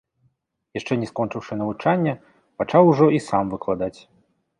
Яшчэ не скончыўшы навучанне, пачаў ужо і сам выкладаць.